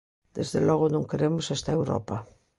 Desde logo, non queremos esta Europa.